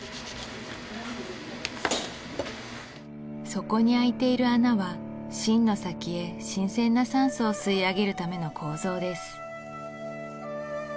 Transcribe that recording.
底に空いている穴は芯の先へ新鮮な酸素を吸い上げるための構造です